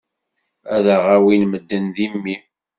Ad aɣ-awin medden d imi.